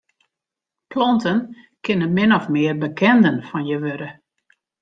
Planten kinne min of mear bekenden fan je wurde.